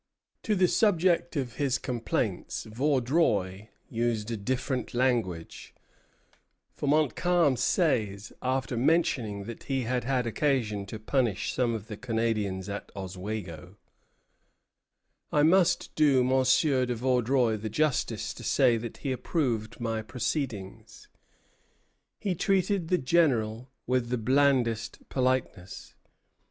To the subject of his complaints Vaudreuil used a different language; for Montcalm says, after mentioning that he had had occasion to punish some of the Canadians at Oswego: "I must do Monsieur de Vaudreuil the justice to say that he approved my proceedings." He treated the General with the blandest politeness.